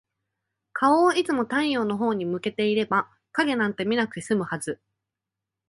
顔をいつも太陽のほうに向けていれば、影なんて見なくて済むはず。